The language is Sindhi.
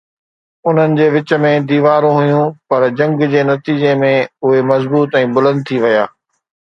انهن جي وچ ۾ ديوارون هيون، پر جنگ جي نتيجي ۾ اهي مضبوط ۽ بلند ٿي ويا.